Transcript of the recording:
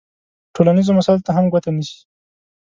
ټولنیزو مسایلو ته هم ګوته نیسي.